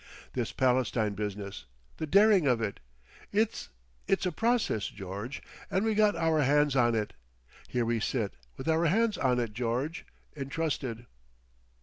This Palestine business—the daring of it.... It's, it's a Process, George. And we got our hands on it. Here we sit—with our hands on it, George. Entrusted.